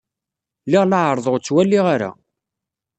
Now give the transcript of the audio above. Lliɣ la ɛerrḍeɣ ur ttwaliɣ ara.